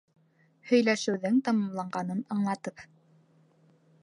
- Һөйләшеүҙең тамамланғанын аңлатып.